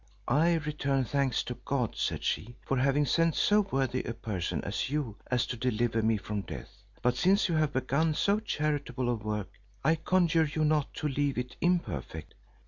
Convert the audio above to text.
"I return thanks to God," said she "for having sent so worthy a person as you are to deliver me from death; but since you have begun so charitable a work, I conjure you not to leave it imperfect.